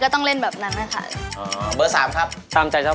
ก็ต้องเล่นแบบนี้ครับ